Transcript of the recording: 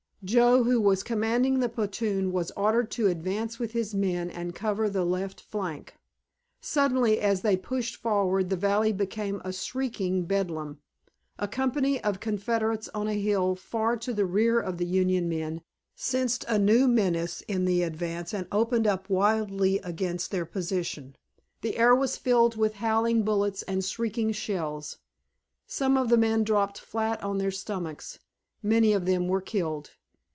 Joe, who was commanding the platoon, was ordered to advance with his men and cover the left flank. Suddenly as they pushed forward the valley became a shrieking Bedlam. A company of Confederates on a hill far to the rear of the Union men sensed a new menace in the advance and opened up wildly against their position. The air was filled with howling bullets and shrieking shells. Some of the men dropped flat on their stomachs, many of them were killed.